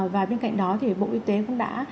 và bên cạnh đó bộ y tế cũng đã